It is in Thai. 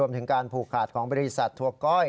รวมถึงการผูกขาดของบริษัททัวร์ก้อย